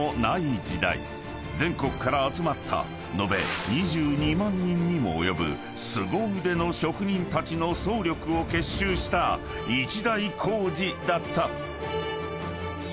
［全国から集まった延べ２２万人にも及ぶ凄腕の職人たちの総力を結集した一大工事だった］